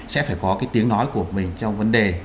sẽ phải có cái tiếng nói của mình trong vấn đề